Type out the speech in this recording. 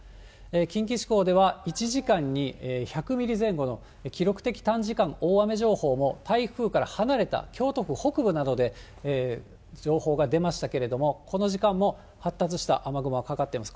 近畿地方では１時間に１００ミリ前後の記録的短時間大雨情報も、台風から離れた京都府北部などで情報が出ましたけれども、この時間も発達した雨雲がかかってます。